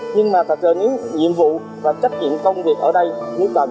nhưng mà thật sự những nhiệm vụ và trách nhiệm công việc ở đây chúng tôi sẵn sàng ở lại